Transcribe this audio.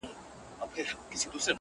د سر قاتل پخلا کومه مصلحت کومه”